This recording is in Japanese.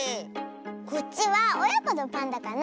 こっちはおやこのパンダかなあ。